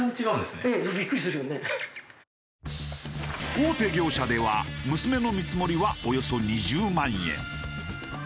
大手業者では娘の見積もりはおよそ２０万円。